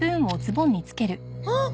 あっ。